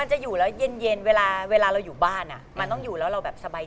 เหรียิงเลี้ยงคือกรแย่แปรด้วย